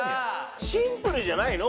シンプルじゃないの？